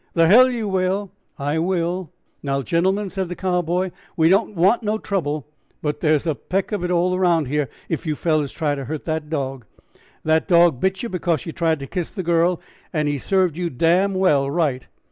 "The hell you will!" "I will." "Now, gentlemen," said the Cowboy, "we don't want no trouble, but there is a peck of it around here if you fellers try to hurt that dog. The dog bit yer because yer tried to kiss the girl, and he served you damn well right!"